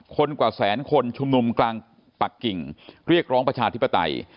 กว่าแสนคนชุมนุมกลางปักกิ่งเรียกร้องประชาธิปไตย